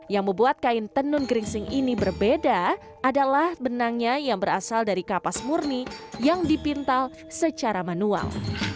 yang membuat kain tenun geringsing ini berbeda adalah benangnya yang berasal dari kapas murni yang dipintal secara manual